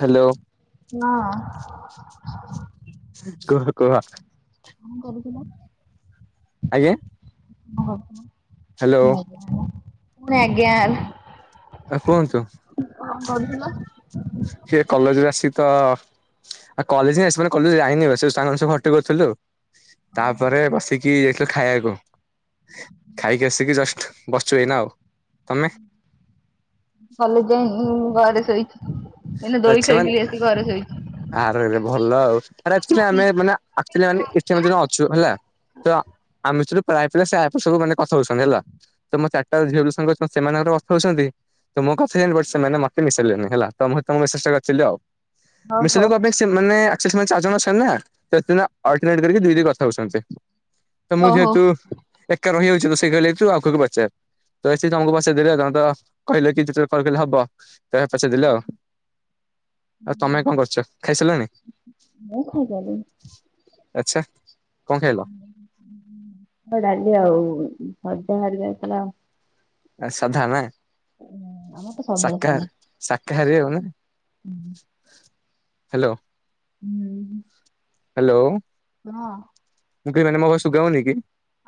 Hello ହଁ। କୁହ କୁହ। କଣ କରୁଥିଲ? ଆଜ୍ଞା? [unintelligible] ହ୍ୟାଲୋ [unintelligible] ଫୁଣି ଆଜ୍ଞା ଲ ଆ କୁହନ୍ତୁ କଣ କରୁଥିଲ? ସିଏ କଲେଜରୁ ଆସି ତ ଆଉ କଲେଜ [unintelligible] କଲେଜ ଯାଇନି ସେ ସାଙ୍ଗ ମାନେ ସବୁ ଖଟି କରଥିଲୁ ଆଉ। ତାପରେ ବସିକି ଏ ଏ ଖାଇବାକୁ ଖାଇକି ଆସିକି ଜଷ୍ଟ ବସିଚୁ ଏଇନା ଆଉ। ତମେ କଲେଜ ଯାଇନି ଇଁ ଇଁ ଘରେ ସୋଇଚି। ଏଁନେ ଦୋଳି ଆଚ୍ଛା ଖେଳି ମାନେ ଖେଳି ଆସି ଘରେ ଆରେ ସୋଇଚି। ଭଲ ଆଉ ଆରେ ଆକଚୁଲି ଆମେ ମାନେ ଆକଚୁଲି ମାନେ ଏଠି ଆମେ ଯୋଉ ଅଛୁ ହେଲା ତ ଆମେ ସେ ଆଇପିଏଲ ସେ ଆପ ସବୁମାନେ କଥା ହଉଛନ୍ତି, ହେଲା ତ ମୋ ଚାରିଟା ଝିଅଙ୍କ ଯୋଉ ସଙ୍ଗେ ସେମାନେଗୋଟେ କଥା ହଉଛନ୍ତି ତ ମୋ କଥା [unintelligible] ସେମାନେ ମତେ ମିଶାଇଲେନି ହେଲା। ତ ମୁଁ ତମକୁ ମସେଜ ଟେ କରଥିଲ ଆଉ। ଓହୋ। ମେସେଜ୍ କଁ ପାଇଁ ସେ ମାନେ ସେ ସେମାନେ ଚାରି ଜଣ ଅଛନ୍ତି ନା ସେ ନା ଅଲଟର୍ ନେଟ୍ କରିକି ଧିରେ ଧିରେ କଥା ହଉଛନ୍ତି। ତ ମୁଁ ଓହୋ। ଯେହେତୁ ଏକା ରହିଯାଉଛି ତ ସେଇ କହିଲା ଠୁ ଆଉ। ଖୁ ପଚାର ତ ସେ ତମକୁ ପଚାରି ଦେଲେ ତମେ ତ କହିଲେ କି ଯେତେବେଳେ କଲ୍ କଲେ ହବ। [unintelligible] ଦେଲେ ଆଉ। ଆଉ ତମେ କଣ କରୁଚ ଖାଇସାରିଲଣି? ମୁଁ ଆଛା। ତ ଡାଲି ଆଉ ଅଜା ଘର ଯାଇଥିଲା ଆଉ। [unintelligible] ଆ ସାଧା ନା? ଉଁ ଆମର ତ ସବୁନବେଳେ ଶାକାହାର ସାଧା ଶାକାହାରୀ ଆଉ ନା ଉଁ ହୁଁ। ହ୍ୟାଲୋ। ହୁଁ। ହ୍ୟାଲୋ। କୁହ। ମୁ କହିମାନେ କସୁଗାଉନି କି।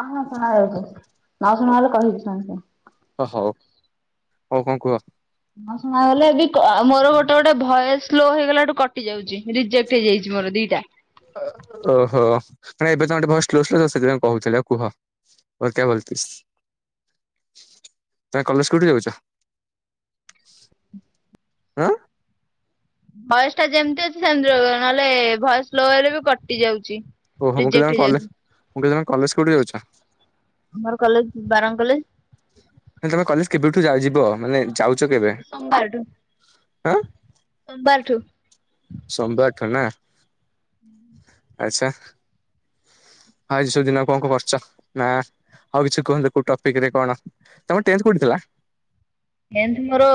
ହଁ ହଁ ଶୁଣାଯାଉଛି ନ ଶୁଣା ହେଲେ କହିବି ସାଙ୍ଗେ ସାଙ୍ଗେ। ଓ ହୋଉ ହଉ କଣ କୁହ? ନ ଶୁଣାଗଲେ ବି ମୋର ଗୋଟେ ଗୋଟେ ଭଏସ ସ୍ଲୋ ହେଇଗଲାଠୁ କଟି ଯାଉଛି। ରିଜେକ୍ଟ ହେଇଯାଇଛି ମୋର ଦିଟା। ଓହୋ ମାନେ ଏବେ ତମ ଭଏସ୍ କ୍ଲିୟର ସୁଭୁଚି କହୁଥିଲ କୁହ [unintelligible] ତମେ କଲେଜ୍ କୋଠି ଯାଉଚ [inaudible] ଅଁ। ଭଏସ୍ ଟା ଯେମିତି ଅଛି ସେମିତିରହିବ। ନହେଲେ ଭଏସ୍ ସ୍ଲୋ ହେଲେ ବି କଟି ଯାଉଛି। ଓହୋ ମୁଁ କହିଲି ରିଜେକ୍ଟ ଜଣେ କଲେ ହେଇଯାଉଛି ମୁଁ କହିଲି ତମେ କଲେଜ କୋଉଠି ଯାଉଛ? ଆମର କଲେଜ ବାରଙ୍ଗ କଲେଜ। ତମେ କଲେଜ କେବେଠୁ ଯା ଯିବ ମାନେ ଯାଉଚ କେବେ ସୋମବାରଠୁ ଆଁ ଠୁ। ସୋମବାରଠୁ ନା ଆଛା। ଆଜି ସବୁ ଦିନରେ କଣ କଣ କରିଚ ନା ଆଉ କିଛି କୁହନ୍ତୁ କୋଉ ଟପିକ ରେ କଣ ତମ ଟେନ୍ଥ କୋଉଠି ଥିଲା? ଏମତି ମୋର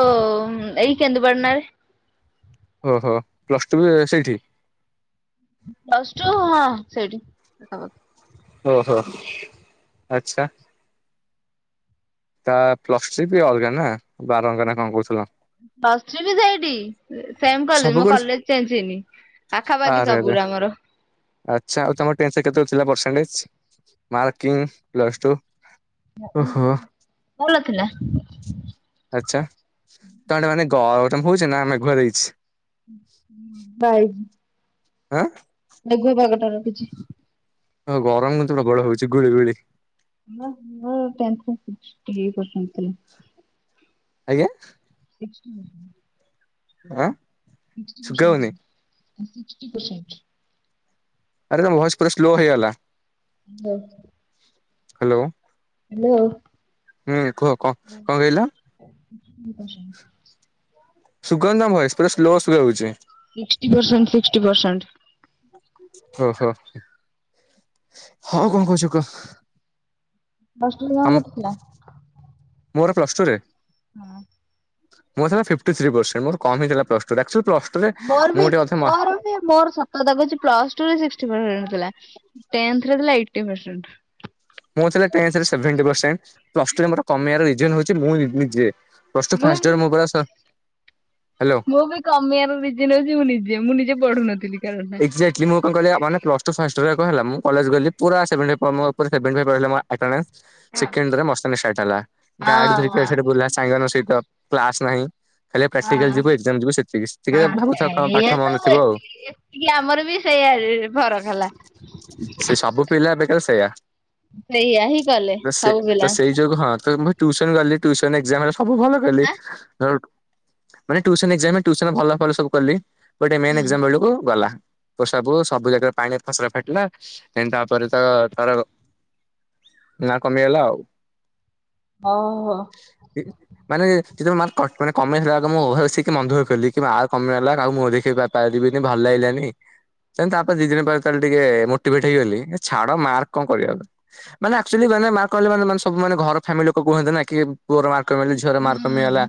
ଏଇ କେନ୍ଦୁ ପାଟଣାରେ। ଓହୋ ପ୍ଲସ ଟୁ ବି ସେଇଠି। ପ୍ଲସ୍ ଟୁ ହଁ ସେଇଠି ହବ। ଓ ହୋ ଆଚ୍ଛା। ତା ପ୍ଲସ ଟ୍ରି ବି ଅଲଗା ନା ବାରଙ୍ଗ ନା କଣ କହୁଥିଲ। ପ୍ଲସ ଥ୍ରୀ ବି ସେଇଠି। ସେମ୍ ସବୁ କଲେଜ୍ ମୋ କରି କଲେଜେ ଚେନ୍ଚ୍ ହେଇନି ପାଖାପାଖି ଆରେ ଆରେ ସବୁୁରା ଆମର। ଆଚ୍ଛା ଆଉ ତମ ଟେନ୍ଥ ରେ କେତେ ଥିଲା ପର୍ସେଣ୍ଟଜ୍ ମାର୍କିଂ ପ୍ଲସ୍ ଟୁ। ଓହୋ [unintelligible] ଭଲ ଥିଲା। ତେ ମାନେ ଗରମ ହେଉଛି ନା ମେଘ୍ ହେଇଛି। ଭାଇ ଆଁ [unintelligible] ହଁ ଗରମ କିନ୍ତୁ ପ୍ରବଳ ହଉଛି ଗୁଳି ଗୁଳି। ମୁଥିଲ [unintelligible] ଟିକେ ପସନ୍ଦ ଥିଲା। ଆଜ୍ଞା? ସେ ଆଁ ଶୁଗା ହଉନି [unintelligible] ସିକ୍ଟୀ ପରସେଣ୍ଟ ଆରେ ତ ଭଏସ ପୁରା ସ୍ଲୋ ହେଇଗଲା। ହଁ। ହ୍ୟାଲୋ ହ୍ୟାଲୋ ହୁଁ କୁହ କଣ କଣ କହିଲ? [inaudible] ସୁଗନ୍ଧ ଭହେଶ ପୁରା ସ୍ଲୋ ସ୍ଲୋ ହଉଚେ। Sixty percent sixty percent. ସ, ଆଉ କଣ କହୁଛୁ କୁହ? ପ୍ଲସ ଟୁ ରେ ତମ ତମର କେତେ ଥିଲା? ମୋର ପ୍ଲସ ଟୁ ରେ? ହ। ମୋର ଥିଲା ଫିପ୍ଟି ଥ୍ରୀ ପରସଣ୍ଟ। ମୋର କମ୍ ହେଇଥିଲା ପ୍ଲସ ଟୁ ଟା ଅକ୍ଚୁ ମୋର ବି ମୋର ବି ମୋର ସତ କଥା କହୁଚି ପ୍ଲସ ଟୁ ରେ ସିକ୍ସି ପରସେଣ୍ଟ। ଥିଲା। ଟେନ୍ଥ ରେ ଥିଲା ଏଇଟି ପର୍ସେଣ୍ଟ। ମୋର ଥିଲା ଟେନ୍ତ ରେ ସେଭେଣ୍ଟି ପରସେଣ୍ଟ। ପ୍ଲସ ଟୁ ରେ ମୋର କମିବାର ରିଜିନ ହଉଚି ମୁଁ ନିଜେ। ପ୍ଲସ ଟୁ ମୁଁ ଫାଷ୍ଟ ଇୟର ପୁରା ସ ହ୍ୟାଲୋ ମୁଁ ବି କମିବାର ରିଜିନ୍ ହଉଚି ମୁଁ ନିଜେ, ମୁଁ ନିଜ ପଢୁନଥିଲି। କାରଣ ଏକ୍ଜାକ୍ଟଲି ମୁଁ କଣ କହଲି ମାନେ ପ୍ଲସ ଟୁ ଫାଷ୍ଟ ଇଅର୍ କଣ ହେଲା, ମୁଁ କଲେଜ ଗଲି ପୁରା ସେଭେନ ଟି ମୋ ଉପରେ ସେଭେଣ୍ଟି ଫାଇବ ରହିଲା ମୋ ଆଟାନସ। ସେକେଣ୍ଡରେ ମସ୍ତାନୀ ଷ୍ଟାର୍ଟ ହେଲା। ଗାଡି ଧରିକି ହଁ ୟାଡେ ସ୍ୟାଡେ ବୁଲା ସାଙ୍ଗ ମାନଙ୍କ ସହିତ। କ୍ଲାସ ନାଇଁ। ଖାଲି ହଁ ପ୍ରାକ୍ଟିକାଲ ଯିବୁ ଏକ୍ଜାମ ଯିବୁ ସେତିକି। ଟିକେ ହଁ ଭାବୁଥିବ କଣ ଏଇଆ ପାଠ ମନ ଥିବ ଆଉ। ଏତିକି ଏତିକି ଆମର ବି ସେଇଆ ଫରକ ହେଲା। ସେ ସବୁ ପିଲା ବେକାର ସେଇଆ ହିଁ କଲେ ସବୁ ପିଲା। ଟ୍ୟୁସନ୍ ଗଲି ଟିୟୁସନ୍ ରେ ଏକଜାମ୍ ସବୁ ଭଲ କଲି। ଆଁ ମାନେ ଟ୍ୟୁସନ୍ ଏକଜାମ୍ ରେ ଟ୍ୟୁସନ ରେ ଭଲ କଲି ସବୁ କଲି। ଗୋଟେ ମେନ୍ ଏକ୍ସାମ୍ ବଳକୁ ଗଲା। ତ ସବୁ ସବୁ ଜାଗାରେ ପାଣିରେ ଫସର ଫାଟିଲା। ତେଣ ତାପରେ ତ ତାର ନାଁ କମିଗଲା ଆଉ। ଓହୋ। ମାନେ। କିନ୍ତୁ ମାର୍କ କଟ ମାନେ କମେଇହେଲା ଆଗ ମୁଁ ଭାବିଚି କି ମନ୍ଦିରରୁ ଫେରିଲି କିମ୍ୱା ଆର୍ କମେଇଲା କାକୁ ମୁଁହ ଦେଖେଇ ପାରିବିନି, ଭଲ ଲାଗିଲାନି। ସେ ତାପରେ ଦି ଦିନ ପରେ ତାହେଲେ ଟିକେ ମୋଟିଭେଟ ହେଇଗଲି। ଛାଡ ମାର୍କ କଣ କରିବା। ମାନେ ଆକଚୁଲି ମାନେ ମାର୍କ କମିଗଲେ ମାନେ ସବୁ ମାନେ ଘର ଫେମିଲି ଉପରକୁ [unintelligible] କି ପୁଅ ର ମାର୍କ କମି, ଝିଅର ମାର୍କ କମିଗଲା,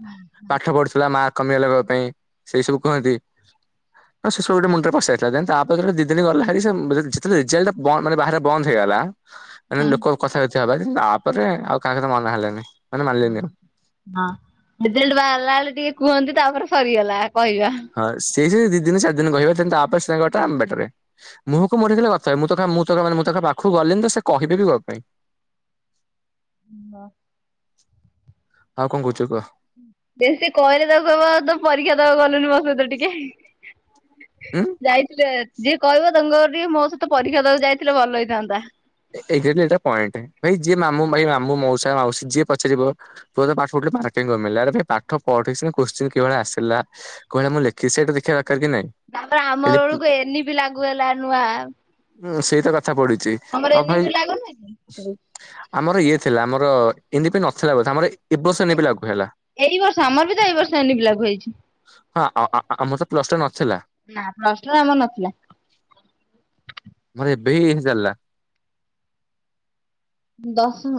ପାଠ ପଢୁଥିଲା ମା କମିବା ଲଗବା ପାଇଁ ସେଇ ସବୁ କୁହନ୍ତି, ଅ ସେ ସବୁ ଗୋଟେ ମୁଣ୍ଡରେ ପସାଇ ତାପର ଦିନ ଦି ଦିନ ଗଲାଣି ସେ ମ [unintelligible] ବନ୍ଦ ମାନେ ବାହାରେ ବନ୍ଦ ହେଇଗଲା। ମାନେ ଲୋକ କଥା [inaudible] ଲା, କିନ୍ତୁ ତାପରେ ଆଉ କାହା ସହିତ ମନ ହେଲେନି। ହଁ ହଁ, ରିଜଲ୍ଟ ବାହାରିଲା ବେଳେ ଟିକେ କୁହନ୍ତି ତାପରେ ସରିଗଲା। କହିବା। ଯ ଦି ଦିନ ଚାରି ଦିନ କହିବେ ଦେନ୍ ତାପରେ ସିଏ ତାଙ୍କ ବାଟରେ ଆମ ବାଟରେ ମୁହକୁ ମୋଡ଼ିଦେଲେ ପ୍ରଥମେ ମୁଁତ କାହା ମୁଁ ତାନେ ମୁଁ ତଖ ପାଖକୁ ଗଲିଣିି ତ ସେ କହିବେ ବି କଣ ପାଇଁ। ବା ଆଉ କଣ କହୁଛୁ କହ ବେଶୀ କହିଲେ ତାକୁ କହିବ ତୁ ପରୀକ୍ଷା ଦବାକୁ ଗଲୁନି ମୋ ସହିତ ଟିକେ। ଉଁ ଯାଇଥିଲେ ଯିଏ କହିବ ତାଙ୍କ ଟିକେ ମୋ ସହିତ ପରୀକ୍ଷା ଦବାକୁ ଯାଇଥିଲେ ଭଲ ହେଇଥାନ୍ତା। ଏକଜାଟଲି ଏଇଟା ପଏଣ୍ଟ ଭାଇ ଯିଏ ମାମୁଁ ମାଇଁ ମାମୁଁ ମାଉସା ମାଉସୀ ଯିଏ ପଚାରିବ ପୁଅତ ପାଠ ପଢିଥିଲା ମାର୍କ କାଇଁ କମିଲା ଆରେ ଭାଇ ପାଠ ପଢିଥିଲି କୋଶ୍ଚିନ କଉଭଳିଆ ଆସିଲା କଉ ଭଳିଆ ମୁଁ ଲେଖିଛି ସେଇଟା ଦେଖିବା କଥା ତାପରେ ଆମବେଳକୁ ଏନି ବି ଲାଗୁ ହେଲା ନୂଆ ହଁ ସେଇତ କଥା- ଥା ପଡିଚି। ଆମର ଅ ଏନି ପି ଭାଇ ଲାଗୁ ନୁହେଁ କି? ଆମର ଇଏ ଥିଲା ଆମର ଏନି ପି ପାଇଁ ନଥିଲା ବୋଧ ଆମର ଏବର୍ଷ ଏନି ପି ଲାଗୁ ହେଲା। ଏଇ ବର୍ଷ ଆମର ବି ତ ଏଇ ବର୍ଷ ଏନି ପି ଲାଗୁ ହେଇଛି। ହଁ ଆ ଆ ଆମର ତ ପ୍ଲସଟୁ ରେ ନଥିଲା। ନା ପ୍ରଶ୍ନ ଆମର ନଥିଲା। ମୋର ଏବେ ହିଁ ଚାଲିଲା। ଦଶମ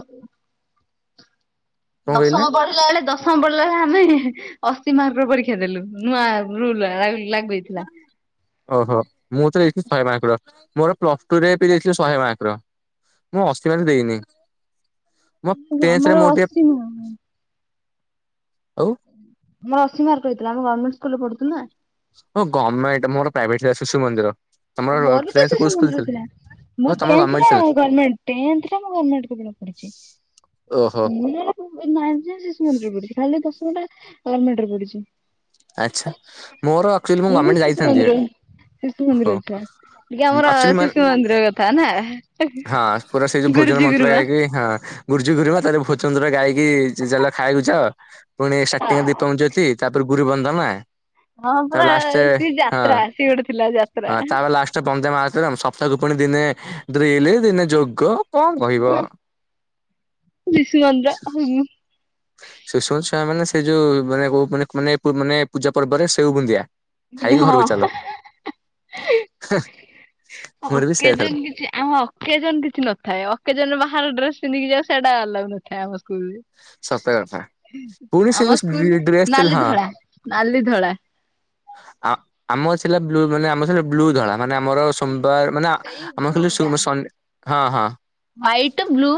କଣ କହିଲେ ଦଶମ ବଢିଲା ବେଳେ ଦଶ [unintelligible] ଅଶୀ ମାର୍କର ପରୀକ୍ଷା ଦେଲୁ ନୂଆ ରୁଲ ଲାଗୁ ହେଇଥିଲା। ଓହୋ ମୁଁ ତରେ ଏଠି ଶହେ ମାର୍କର ମୋର ପ୍ଲସ ଟୁ ରେ ବି ଦେଇଥିଲି ଶହେ ମାର୍କର ମୁଁ ଅଶି ମାର୍କ ଦେଇନି। ମୋ କିନ୍ତୁ ଟେନ୍ଥ ରେ ଆମର ମୋର ଟିକେ ଅଶି ନୁହଁ ଆଉ ମୋର ଅଶୀ ମାର୍କ ରହିଥିଲା ଆମ ଗମେଣ୍ଟ ସ୍ ସ୍କୁଲ ରେ ପଢୁଥୁଲୁନା। ଓ ଗମେଣ୍ଟ ମୋର ପ୍ରାଇଭେଟ ଥିଲା ଶଶୁ ମନ୍ଦିର। ତମର ମୋର ବିତ ଟେନ୍ଥ କୋଉ ସ୍କୁଲ ଶିଶୁମନ୍ଦିର ଥିଲା ଓ ମୋର ତମର ଗମେଣ୍ଟ ଟେନଥରେ ଥିଲା ଗରମେଣ୍ଟ ଟେନଥରେ ମୁଁ ଗମେଣ୍ଟ କେବଳ ପଢିଛି। ଓହୋ ମୁଁ ଯାହା ନାଇନଥ ଯାଏ ଶିଶୁମନ୍ଦିରରେ ପଢିଛି ଖାଲି ଦଶ ମଟା ଗମେଣ୍ଟ ରେ ପଡିଛି। ଆଚ୍ଛା ମୋର ଆକଚୁଆଲି ମୁଁ ବି ଗମେଣ୍ଟ ଶିଶୁ ଯାଇଥାନ୍ତି ମନ୍ଦିର ଶିଶୁ ମନ୍ଦିର ହଉ। ଟିକେ ଆମର ଶିଶୁ ମନ୍ଦିର କଥା ନା ହଁ ପୁରା ସେଇ ଯୋଉ ଗୁରୁଜୀ ଗୁରୁମା। ତାର ଭୋଚୁନ୍ଦର ଗାଇକି ଚାଲ ଖାଇବାକୁ ଯ ପୁଣି ସାର୍ଟିଂରେ ଦୀପଙ୍ଗ ଜ୍ୟୋତି। ତାପରେ ଗୁରୁବନ୍ଧନା। ହଁ ପରା ସିଏ ଯାତ୍ରା ସିଏ ଗୋଟେ ଥିଲା ଯାତ୍ରା। ହଁ ତାପରେ ଲାଷ୍ଟରେ ପଞ୍ଜାମ ସପ୍ତାହକୁ ପୁଣି ଦିନେ ଡ୍ରିଲ ଦିନେ ଯୋଗ। କଣ କହିବ। [unintelligible] ହୁଁ। ଶିଶୁ ମନ୍ଦିର ଛୁଆମାନେ ସେ ଯୋଉ ମାନେ ଓଉ ମାନେ ମାନେ ମାନେ ପୂଜା ପର୍ବରେ ସେଉ ବୁନ୍ଦିଆ। ଖାଇକି ଘରକୁ ହଁ ଚାଲ [unintelligible] ମୋର ବି ସେୟା ଥିଲା ଅକେଜନ କିଛି ଆମ ଅକେଜନ କିଛି ନଥାଏ, ଅକେଜନ ବାହାର ଡ୍ରେସ ପିନ୍ଧିକି ଯା ସେଟା ଅଲଗା ନଥାଏ ଆମ ସତ କଥା ସ୍କୁଲରେ ପୁଣି ସେ ଯୋଉ ଆମ ସ୍କୁଲ ଡ୍ରେସ ଥିଲା ନାଲି ହଁ ଧଳା ନାଲି ଧଳା। ଆ ଆମ ଥିଲା ବ୍ଲୁ ମାନେ ଆମ ସେ ବ୍ଲୁ ଧଳା। ମାନେ ଆମର ସୋମବାର ମାନେ ସେଇ ଆମର ବ୍ଲୁ ଖାଲି ଟା ସୁମ ଶ ହଁ ହଁ। White blue.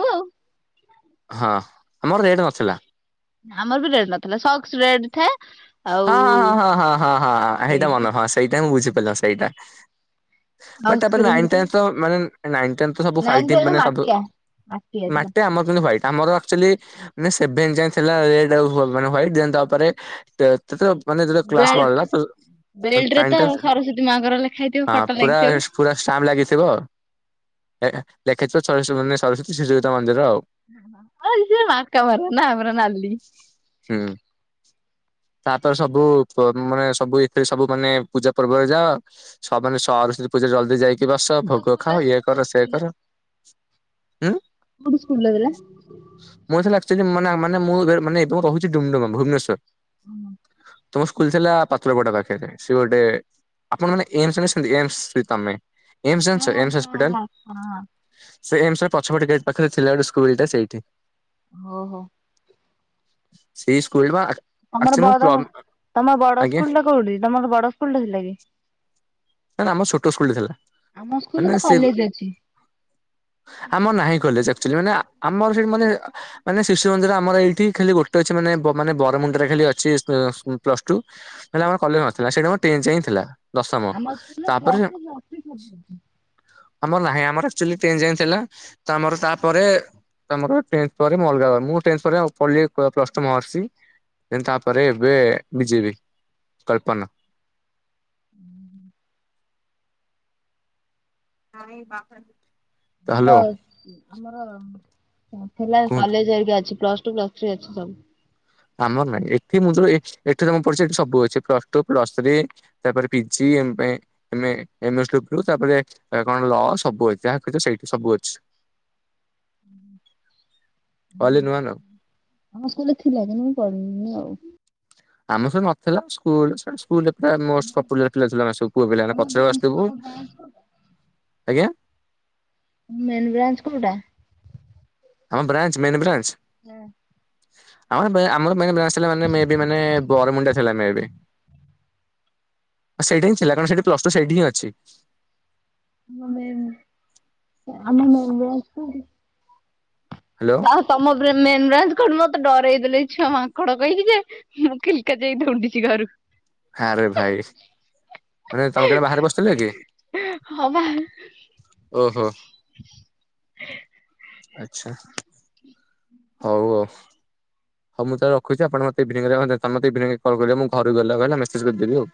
ହଁ ଆମର ରେଡ ନଥିଲା। ଆମର ବି ରେଡ ନଥିଲା ସକ୍ସ ରେଡ ଥାଏ। ଆଉ ହଁ ହଁ ହଁ ହଁ ହଁ ହଁ ହଁ ହେଇଟା ସେଇଠି ମନେ ହଁ ସେଇଟା ମୁଁ ବୁଝିପାଇଲି ସେଇଟା। ବଟ୍ ସକ୍ସ ତାପରେ ରେଡ ଥାଏ ଲାଇନଟାତ ମାନେ ନାଇଁ ତମ ତ ସବୁ ନାଇଁ ହ୍ୟୁଇଟି ସେଟା ମାନେ ସବୁ ମାଟିଆ ମାଟିଆ ଥିଲା। ନାଟେ [unintelligible] ଆମର କିନ୍ତୁ ହ୍ୟୁଇଟ। ଆମର ଆକ୍ଚୁଲି ଆମେ ସେଭେନ ଯାଏ ଥିଲା ରେଡ ଆଉ ମାନେ ହ୍ୱାଇଟ ଦେନ ତାପରେ ତେତେତ ମାନେ ଯେତେବେଳେ କ୍ଲାସ ବେଲ୍ଟ ବଢିଲା [unintelligible] ମାନେ ବେଲ୍ଟ ରେ ଟାଇମ୍ ତ ଟା ସରସ୍ଵତୀ ମାଙ୍କର ଲେଖା ହେଇଥିବ ହଁ ଫଟୋ ପୁରା ଲାଗିଥିବ। ପୁରା ଷ୍ଟାମ୍ପ ଲାଗିଥିବ। ଲେଖା ଲେଖା ହେଇଥିବ ସରସ୍ବତୀ ସରସ୍ବତୀ ଶିଶୁବିଦ୍ୟାମନ୍ଦିର ଆଉ। ଆ ସେ ମାମାର୍କା ମରା ନା ଆମର ନଲି। ହୁଁ। ତାପରେ ସବୁ ମାନେ ସବୁ ଏଥିରେ ସବୁ ମାନେ ପୂଜା ପର୍ବରେ ଯାଅ ମାନେ ସଅ ସରସ୍ଵତୀ ପୂଜା ଜଲଦି ଯାଇକି ଏଠି ବସ କୋଉ ଭୋଗ ସ୍କୁଲରେ ଖାଅ ଇଏ କୋଉ କର ସିଏ ସ୍କୁଲରେ କର। ଉଁ ମୋ [unintelligible] କୋଉଠି ସ୍କୁଲରେ ଦେଲା ଆକଚ୍ୟୁଲି ମାନେ ମାନେ ମୁଁ ଏବେ ମାନେ ରହୁଚି ଡୁମଡୁମ ଭୁବନେଶ୍ଵର। ହଁ। ତମ ସ୍କୁଲ ଥିଲା ପାତ୍ରପଡା ପାଖରେ ସେ ଗୋଟେ ଆପଣ ମାନେ ଏମ୍ସ ରେ ଅଛନ୍ତି ଏମ୍ସ ତମେ ଏମ୍ସ ହଁ ଜାଣିଚ ଏମ୍ସ ହଁ ହସ୍ପିଟଲ? ହଁ ହଁ ହଁ। ସେ ଏମ୍ସ ର ପଛପଟ ଗେଟ ପାଖରେ ଥିଲା ଗୋଟେ ସ୍କୁଲଟା ସେଇଠି। ଓହୋ। ସେଇ ସ୍କୁଲ ବା ତମର ଆକ୍ଚୁଆଲି ମୁଁ ବଡ ପ୍ଲମ୍ ତମର ବଡ ଆଜ୍ଞା ସ୍କୁଲ ଟା କୋଉଠି ତମର ବଡ ସ୍କୁଲ ଟା ଥିଲା କି? ନା ଆମର ଛୋଟ ସ୍କୁଲଟେ ଥିଲା। ଆମ ସ୍କୁଲରେ ମାନେ ତ ସେ କଲେଜ ଅଛି ଆମର ନାହିଁ କଲେ ସେ ଆୁକଚୁଆଲି ମାନେ ଆ ଆମର ସେଠି ମାନେ ମାନେ ଶିଶୁ ମନ୍ଦିର ଆମର ଏଇଠି ଖାଲି ଗୋଟେ ଅଛି ମାନେ ବ ମାନେ ବରମୁଣ୍ଡରେ ଖାଲି ଅଛି ସ୍କୁ ସ ପ ପ୍ଲସ୍ ଟୁ ନହେଲେ ଆମର କଲେଜ ନଥିଲା ସେଇଠି ଆମର ଟେନ୍ ଯାଏ ହିଁ ଥିଲା ଦଶମ ଆମ ସ୍କୁଲ ରେ ତାପରେ ପ୍ଲସ ଟୂ ପ୍ଲସ ଥ୍ରୀ ସବୁ ଅଛି। ଆମର ନାହିଁ ଆମର ଆକ୍ଚୁଆଲି ଟେନ୍ ଯାଏ ଥିଲା। ତ ଆମର ତାପରେ ଆମର ଟେନଥ ପରେ ମୁଁ ଅଲଗା ମୁଁ ଟେନ୍ଥ ପରେ ପଢିଲି କ ପ୍ଲସ ଟୁ ମହର୍ଷି। ଦେନ ତାପରେ ଏବେ ବିଜେବି କଳ୍ପନା। [unintelligible] ନାଇ [unintelligible] ନାଇ ଆମର ହେଲା କୁହନ୍ତୁ। କଲେଜ ଘରିକି ଅଛି ପ୍ଲସ ଟୁ ପ୍ଲସ ଥ୍ରୀ ଅଛି ସବୁ। ଆମର ନହିଁ। ଏଠି ମୁଁ ଯୋଉ ଏଠି ଯୋଉ ମୁ ପଢୁଛି ଏଠି ସବୁ ଅଛି ପ୍ଲସ ଟୁ, ପ୍ଲସ ଥ୍ରୀ, ତାପରେ PG, MA MA M S W, ତାପରେ କଣ ଲ ସବୁ ଅଛି। ଯାହା ଖୋଜିବ ସେଇଠି ସବୁ ଅଛି। ଅଲ୍ ଇଁନ ୱାନ ଆଉ। ଆମ ସ୍କୁଲ ରେ ଥିଲା କି ମୁଁ ପଢିନଲିନି ଆଉ। ଆମର ସବୁ ନଥିଲା ସ୍କୁଲ ସେ ସ୍କୁଲ। ପୁର ମୋଷ୍ଟ ପପୁଲାର ପିଲା ଥିଲୁ ଆମେ ସବୁ ପୁଅ ପିଲାମାନେ ତମ ପଛରେ ବ୍ରାଞ୍ଚ ବସିଥିବୁ। ତମ ବ୍ରାଞ୍ଚ ଆଜ୍ଞା। ମେନ୍ ବ୍ରାଞ୍ଚ କଉଟା। ଆମ ବ୍ରାଞ୍ଚ ମେନ୍ ବ୍ରାଞ୍ଚ। ହଁ। ଆମ ବେ ଆମର। ମାନେ ବ୍ରାଞ୍ଚ ଥିଲା ମାନେ ମେ ବି ମାନେ ବରମୁଣ୍ଡା ଥିଲା ମେ ବି। ହଁ ସେଇଠି ହିଁ ଥିଲା। କାରଣ ସେଇଠି ପ୍ଲସ ଟୁ ସେଇଠି ହିଁ ଅଛି। ହୁଁ ମେ ବ ଆମେ ମୋ ମୋ ସ [unintelligible] ହ୍ୟାଲୋ ଜା ହଉ ତମ ବ୍ରେ ମେନ୍ ବ୍ରାଞ୍ଚ କୋଉ ମତେ ଡରେଇ ଲେ ଛୁଆ ମାଙ୍କଡ କହିକି ଯେ ମୁଁ କିଲ କତିଆ ହୋଇ ଦୋଉଡିଛି ଘରୁ। ଆଁରେ ଭାଇ ମାନେ ତମେ କେଣେ ବାହାରେ ବସିଥିଲ କି ହଁ ବା ଓହୋ। ଆଛା ହଉ ଆଉ ହଉ ମୁଁ ତାହେଲେ ରଖୁଛି ଆପଣ ମତେ ଇଭିନିଗ ରେ ମାନେ ତେମେ ଇଭିନିଗ କଲ କରିବ ମୁଁ ଘକୁ ଗଲେ ଆଉ ମେସେଜ କରିଦେବି ଆଉ।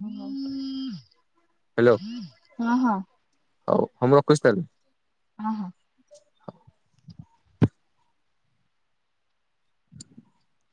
ହଁ ହ୍ୟାଲୋ [unintelligible] ହଁ ହଁ। ହଉ ହଉ ମୁଁ ରଖୁଚି ତାହେଲେ। ଅ ହ। [unintelligible]